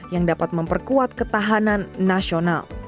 yang dapat memperkuat ketahanan nasional